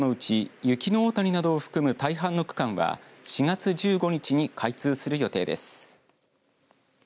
雪の大谷などを含む大半の区間は４月１５日に開通する予定です。